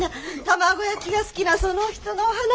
卵焼きが好きなその人のお話。